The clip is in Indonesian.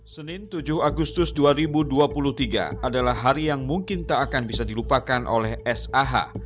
senin tujuh agustus dua ribu dua puluh tiga adalah hari yang mungkin tak akan bisa dilupakan oleh sah